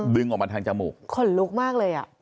ดึงออกมาทางจมูกขนลุกมากเลยอ่ะ